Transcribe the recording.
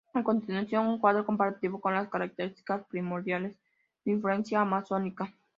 A continuación un cuadro comparativo con las características primordiales de influencia amazónica.